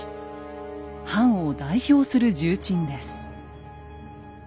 藩を代表する重鎮です。